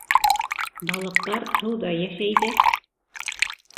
—Балыҡтар һыуҙа йәшәй ҙә.